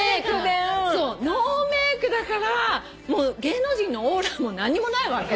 ノーメイクだからもう芸能人のオーラも何にもないわけ。